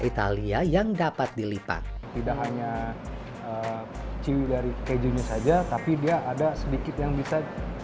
italia yang dapat dilipat tidak hanya ciwi dari kejunya saja tapi dia ada sedikit yang bisa